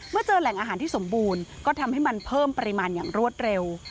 เจอแหล่งอาหารที่สมบูรณ์ก็ทำให้มันเพิ่มปริมาณอย่างรวดเร็ว